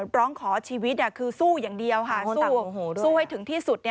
ร้องขอชีวิตคือสู้อย่างเดียวค่ะสู้ให้ถึงที่สุด